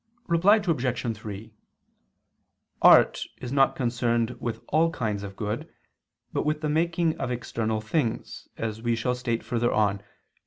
Reply Obj. 3: Art is not concerned with all kinds of good, but with the making of external things, as we shall state further on (Q.